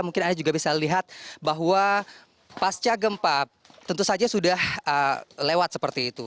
mungkin anda juga bisa lihat bahwa pasca gempa tentu saja sudah lewat seperti itu